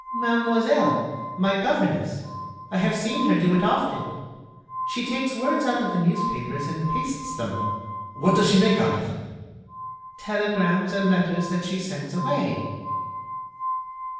"Mademoiselle ... my governess ... I have seen her do it often. She takes words out of the newspapers and pastes them——" "What does she make out of them?" "Telegrams and letters that she sends away."